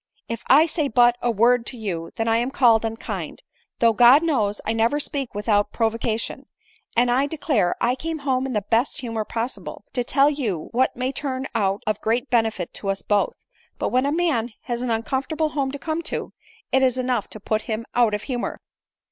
If I say but a word to you, then Iain called unkind, though, God knows, 1 never speak without just provocation ; and, I declare, I came home in the best humor possible, to tell yon what may turn out of great benefit to us both ;— but when a man has an uncomfortale home to come to, it is enough to put him out of humor."